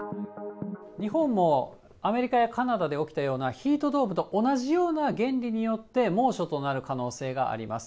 日本もアメリカやカナダで起きたようなヒートドームと同じような原理によって猛暑となる可能性があります。